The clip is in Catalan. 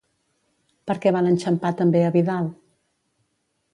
Per què van enxampar també a Vidal?